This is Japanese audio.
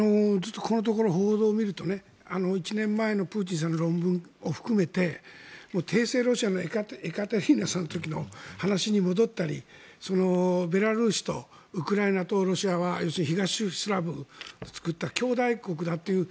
このところの報道を見ると１年前のプーチンさんの論文を含めて帝政ロシアのエカテリーナさんの時の話に戻ったりベラルーシとウクライナとロシアは要するに東スラブを作った兄弟国だという